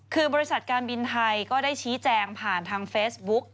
คือบริษัทการบินไทยก็ได้ชี้แจงผ่านทางเฟซบุ๊ก